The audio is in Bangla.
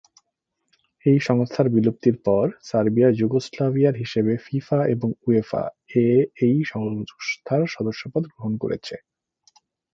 এই সংস্থার বিলুপ্তির পর সার্বিয়া যুগোস্লাভিয়ার হিসেবে ফিফা এবং উয়েফা-এ এই সংস্থার সদস্যপদ গ্রহণ করেছে।